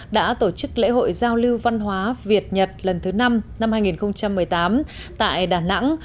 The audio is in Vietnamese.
đã tổ chức lễ hội giao lưu văn hóa việt nhật lần thứ năm năm hai nghìn một mươi tám tại đà nẵng